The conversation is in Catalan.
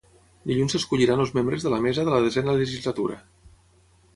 Dilluns s'escolliran els membres de la mesa de la desena legislatura.